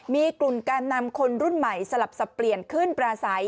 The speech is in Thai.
มีกลุ่นการนำคนรุ่นใหม่สลับเสียงเปลี่ยนคืนประทาย